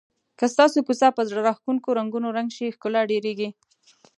که ستاسو کوڅه په زړه راښکونکو رنګونو رنګ شي ښکلا ډېریږي.